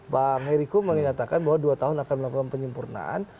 bang ericko mengingatkan bahwa dua tahun akan melakukan penyempurnaan